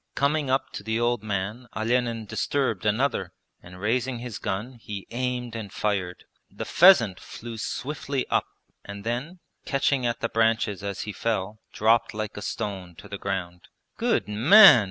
Coming up to the old man Olenin disturbed another, and raising his gun he aimed and fired. The pheasant flew swiftly up and then, catching at the branches as he fell, dropped like a stone to the ground. 'Good man!'